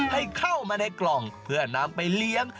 ให้เข้ามาในกล่องเพื่อนำไปเลี้ยง